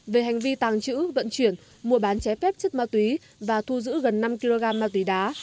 về hành vi tàng trữ vận chuyển mua bán trái phép chất ma túy và thu giữ gần năm kg ma túy đá